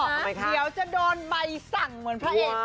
เดี๋ยวจะโดนใบสั่งเหมือนพระเอก